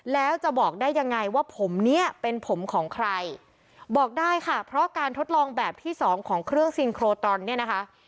แล้วจะบอกได้ยังไงว่าผมเนี้ยเป็นผมของใครบอกได้ค่ะเพราะการทดลองแบบที่สองของเครื่องซินโครตรอนเนี่ยนะคะ